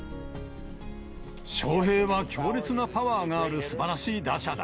翔平は強烈なパワーがあるすばらしい打者だ。